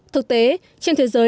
thực tế trên thế giới